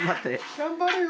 頑張るよ。